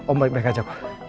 om baik baik aja